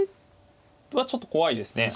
桂はちょっと怖いですね。